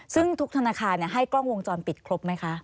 ซึ่งทุกธนาคารให้กล้องวงจรปิดครบไหมคะ